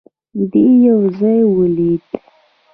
دی يو ځای ولوېد.